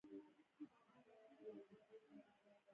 هېواد ته کتابونه پکار دي